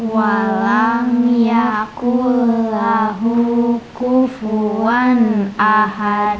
wa lam yakul lahu kufuan ahad